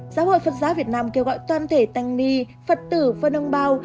giáo hội phật giáo việt nam kêu gọi toàn thể tăng ni phật tử và ông bao